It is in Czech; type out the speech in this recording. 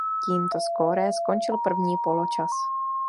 Tímto skóre skončil první poločas.